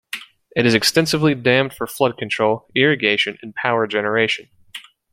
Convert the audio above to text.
It is extensively dammed for flood control, irrigation, and power generation.